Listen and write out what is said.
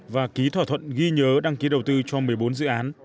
và ký thỏa thuận ghi nhớ đăng ký đầu tư cho một mươi bốn dự án